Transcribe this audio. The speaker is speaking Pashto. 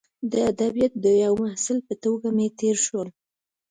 د ادبیاتو د یوه محصل په توګه مې تیر شول.